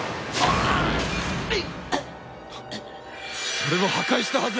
それは破壊したはず。